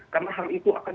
karena hal itu akan